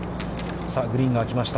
さあ、グリーンがあきました。